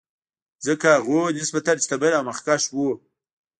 ځکه هغوی نسبتا شتمن او مخکښ وو.